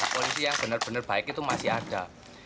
polisi yang benar benar baik itu masih ada